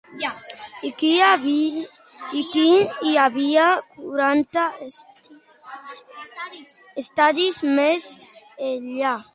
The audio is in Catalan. I quina hi havia quaranta estadis més enllà?